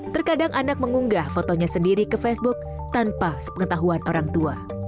terkadang anak mengunggah fotonya sendiri ke facebook tanpa sepengetahuan orang tua